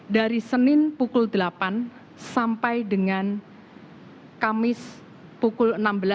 dari senin pukul delapan sampai dengan kamis pukul enam belas